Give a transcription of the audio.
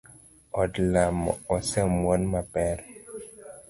Od lamo osemwon maber.